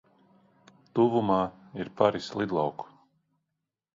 Tuvumā ir pāris lidlauku.